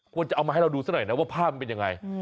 ควรจะเอามาให้เราดูซะหน่อยนะว่าภาพมันเป็นยังไง